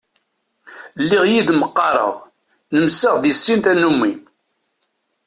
Lliɣ yid-m qqareɣ, nemseɣ di sin tannumi.